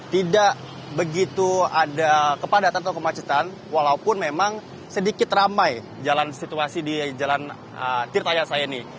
tidak begitu ada kepadatan atau kemacetan walaupun memang sedikit ramai jalan situasi di jalan tirta yasa ini